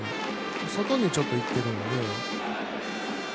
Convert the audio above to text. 外にちょっといってるんで。